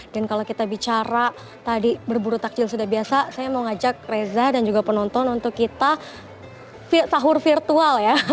dan kalau kita bicara tadi berburu takjil sudah biasa saya mau ngajak reza dan juga penonton untuk kita sahur virtual ya